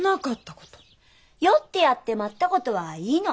酔ってやってまったことはいいの。